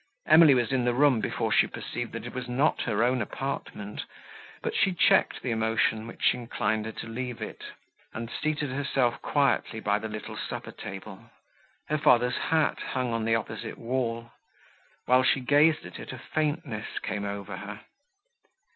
Emily was in the room before she perceived that it was not her own apartment, but she checked the emotion which inclined her to leave it, and seated herself quietly by the little supper table. Her father's hat hung upon the opposite wall; while she gazed at it, a faintness came over her.